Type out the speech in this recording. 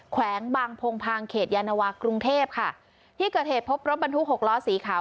แขวงบางพงพางเขตยานวากรุงเทพค่ะที่เกิดเหตุพบรถบรรทุกหกล้อสีขาว